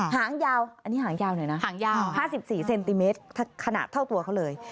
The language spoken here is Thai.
หางยาว๕๔เซนติเมตรขนาดเท่าตัวเขาเลย